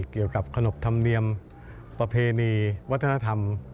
เรื่องกลับขนบธรรมเนมห์ประเพณีวัฒนธรรม